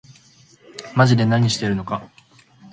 まぢで何してるのか